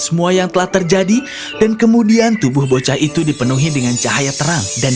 semua yang telah terjadi dan kemudian tubuh bocah itu dipenuhi dengan cahaya terang dan